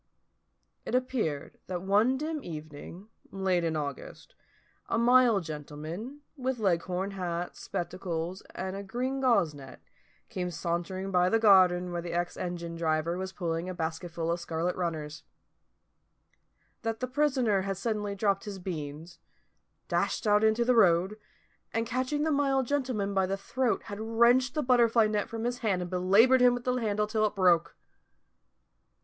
It appeared that one dim evening, late in August, a mild gentleman, with Leghorn hat, spectacles, and a green gauze net, came sauntering by the garden where the ex engine driver was pulling a basketful of scarlet runners: that the prisoner had suddenly dropped his beans, dashed out into the road, and catching the mild gentleman by the throat had wrenched the butterfly net from his hand and belaboured him with the handle till it broke.